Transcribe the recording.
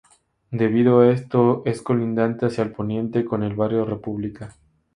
Debido a esto, es colindante hacia el poniente con el Barrio República.